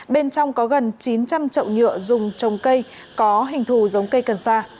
bên trong có gần chín trăm linh trậu nhựa dùng trồng cây có hình thù giống cây cần sa